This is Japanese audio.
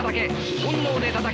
本能でたたけ。